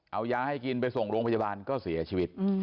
เอายาให้กินไปส่งโรงพยาบาลก็เสียชีวิต